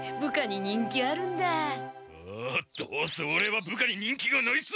ああどうせオレは部下に人気がないさ！